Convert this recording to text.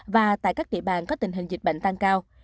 và tại các địa bàn có tình hình dịch bệnh tăng cao